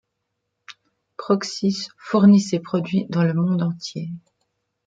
Proxis fournit ses produits dans le monde entier.